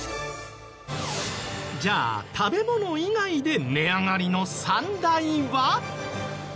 じゃあ食べ物以外で値上がりの３大は？